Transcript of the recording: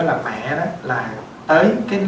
là mẹ đó là tới cái